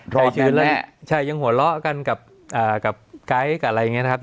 ใช่ทดชือแล้วยังหัวเหลาะกันกับก๋ายกับอะไรอย่างนี้นะครับ